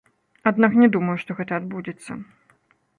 Аднак не думаю, што гэта адбудзецца.